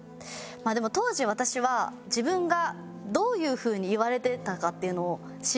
でも当時私は自分がどういう風に言われていたかっていうのを知らなくて。